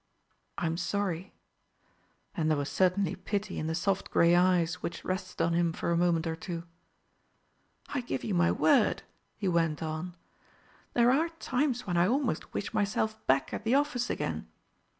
"I'm sorry." And there was certainly pity in the soft grey eyes which rested on him for a moment or two. "I give you my word," he went on, "there are times when I almost wish myself back at the office again.